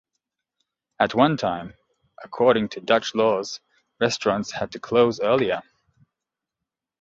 At one time, according to Dutch laws restaurants had to close earlier.